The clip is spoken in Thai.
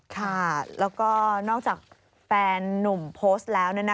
ค่ะแล้วก็นอกจากแฟนนุ่มโพสต์แล้ว